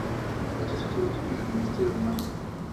Está en el segundo piso del Ministerio de Magia.